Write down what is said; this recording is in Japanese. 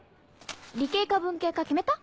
理系か文系か決めた？